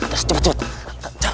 kita taruh cepet cepet